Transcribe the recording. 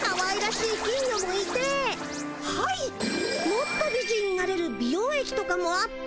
もっと美人になれる美容液とかもあって。